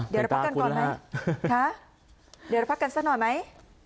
เดี๋ยวเราพักกันสักหน่อยไหม